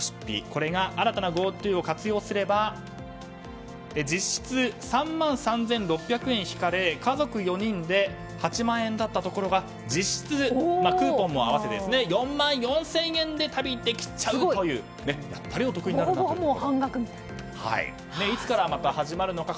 これが、新たなＧｏＴｏを活用すれば実質３万３６００円引かれ家族４人で８万円だったところが実質クーポンも合わせて４万４０００円で旅ができちゃうというお得になるという。